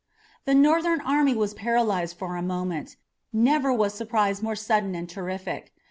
The Northern army was paralyzed for a moment. Never was surprise more sudden and terrific.